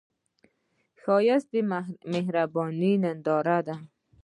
ښایست د مهرباني هنداره ده